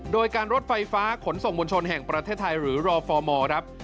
โดยการรถไฟฟ้าขนส่งมวลชนแห่งประเทศไทยหรือรอฟอร์มอร์ครับ